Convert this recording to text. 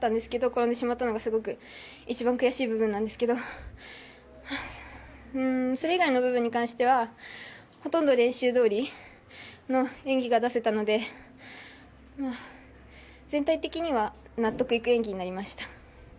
転んでしまったのが一番悔しい部分ですけどそれ以外の部分に関してはほとんど練習どおりの演技が出せたので全体的には納得いく演技になりました。